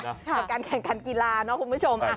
กับการแข่งการกีฬาเนอะคุณผู้ชม